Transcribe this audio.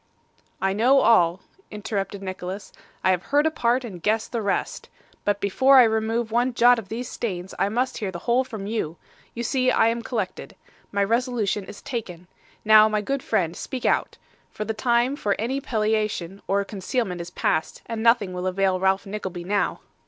'I know all,' interrupted Nicholas; 'I have heard a part, and guessed the rest. But before I remove one jot of these stains, I must hear the whole from you. You see I am collected. My resolution is taken. Now, my good friend, speak out; for the time for any palliation or concealment is past, and nothing will avail Ralph Nickleby now.